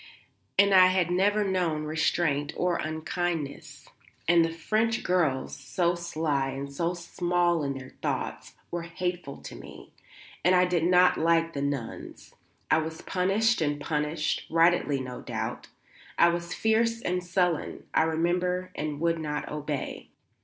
And I had never known restraint or unkindness, and the French girls, so sly and so small in their thoughts, were hateful to me. And I did not like the nuns. I was punished and punished rightly no doubt. I was fierce and sullen, I remember, and would not obey.